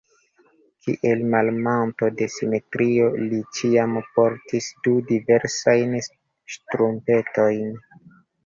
Kiel malamanto de simetrio li ĉiam portis du diversajn ŝtrumpetojn.